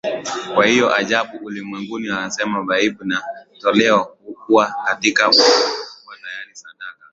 Kwa hiyo ajapo ulimwenguni asema Dhabihu na toleo hukutaka Lakini mwili uliniwekea tayari Sadaka